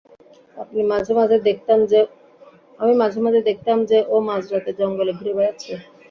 আমি মাঝেমাঝে দেখতাম যে, ও মাঝরাতে জঙ্গলে ঘুরে বেড়াচ্ছে।